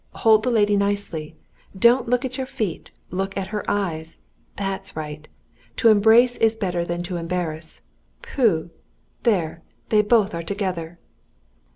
Hold the lady nicely! Don't look at your feet. Look at her eyes. That's right! To embrace is better than to embarrass. Pooh! There, they both are together!"